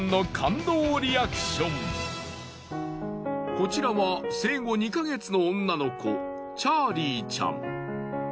こちらは生後２ヵ月の女の子チャーリーちゃん。